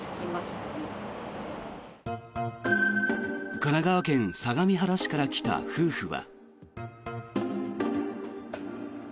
神奈川県相模原市から来た夫婦は。